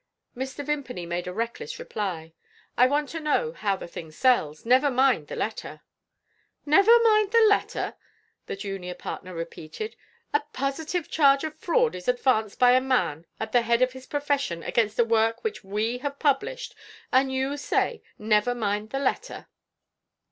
Mr. Vimpany made a reckless reply: "I want to know how the thing sells. Never mind the letter." "Never mind the letter?" the junior partner repeated. "A positive charge of fraud is advanced by a man at the head of his profession against a work which we have published and you say, Never mind the letter."